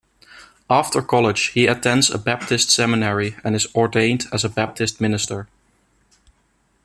After college, he attends a Baptist seminary and is ordained as a Baptist minister.